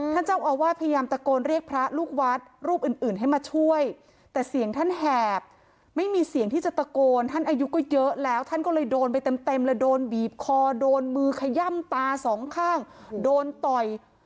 ท่านเจ้าอาวาสพยายามตะโกนเรียกพระลูกวัดรูปอื่นอื่นให้มาช่วยแต่เสียงท่านแหบไม่มีเสียงที่จะตะโกนท่านอายุก็เยอะแล้วท่านก็เลยโดนไปเต็มเต็มเลยโดนบีบคอโดนมือขย่ำตาสองข้างโดนต่อย